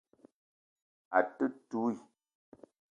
A te touii.